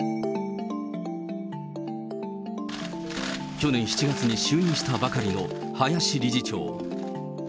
去年７月に就任したばかりの林理事長。